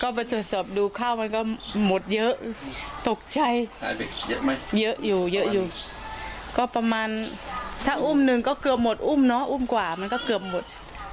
ก็ไปตรวจสอบดูข้าวมันก็หมดเยอะตกใจหายไปเยอะไหมเยอะอยู่เยอะอยู่ก็ประมาณถ้าอุ้มหนึ่งก็เกือบหมดอุ้มเนอะอุ้มกว่ามันก็เกือบหมด